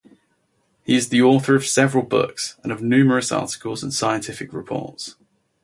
He is the author of several books and of numerous articles and scientific reports.